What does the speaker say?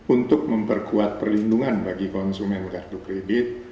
untuk memperkuat perlindungan bagi konsumen kartu kredit